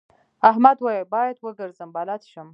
احمد وويل: باید وګرځم بلد شم.